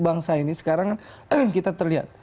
bangsa ini sekarang kan kita terlihat